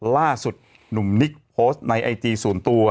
ล่าสุดหนุ่มนิกโพสต์ในไอจีส่วนตัว